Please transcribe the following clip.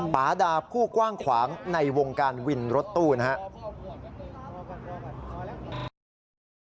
ปาดาผู้กว้างขวางในวงการวินรถตู้นะครับ